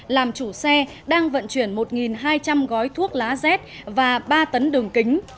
làm chủ xe đang vận chuyển một hai trăm linh gói thuốc lá z và ba tấn đường kính